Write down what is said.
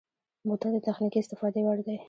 بوتل د تخنیکي استفادې وړ دی.